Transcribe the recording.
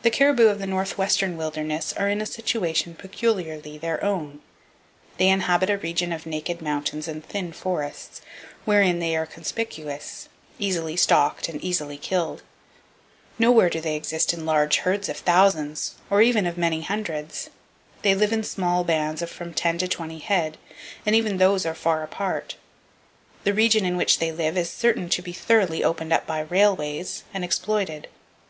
The caribou of the northwestern wilderness are in a situation peculiarly their own. They inhabit a region of naked mountains and thin forests, [Page 175] wherein they are conspicuous, easily stalked and easily killed. Nowhere do they exist in large herds of thousands, or even of many hundreds. They live in small bands of from ten to twenty head, and even those are far apart. The region in which they live is certain to be thoroughly opened up by railways, and exploited.